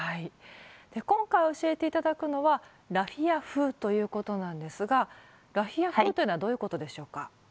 今回教えて頂くのはラフィア風ということなんですがラフィア風というのはどういうことでしょうか？